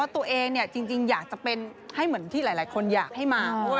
ตัวเองจริงอยากจะเป็นให้เหมือนที่หลายคนอยากให้มา